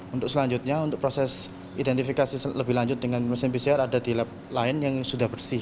untuk selanjutnya untuk proses identifikasi lebih lanjut dengan mesin pcr ada di lab lain yang sudah bersih